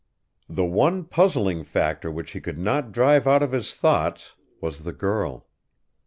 The one puzzling factor which he could not drive out of his thoughts was the girl.